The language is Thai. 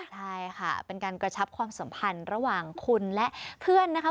ใช่ค่ะเป็นการกระชับความสัมพันธ์ระหว่างคุณและเพื่อนนะคะ